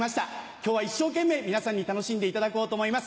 今日は一生懸命皆さんに楽しんでいただこうと思います。